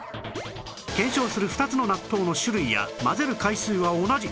検証する２つの納豆の種類や混ぜる回数は同じ